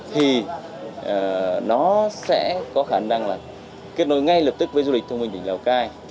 thì nó sẽ có khả năng kết nối ngay lập tức với du lịch thông minh bình lào cai